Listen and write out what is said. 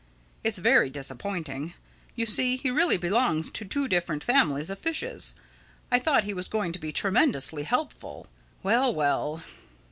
It's very disappointing. You see he really belongs to two different families of fishes. I thought he was going to be tremendously helpful—Well, well!"